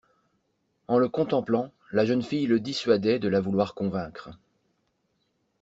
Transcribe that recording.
En le contemplant, la jeune fille le dissuadait de la vouloir convaincre.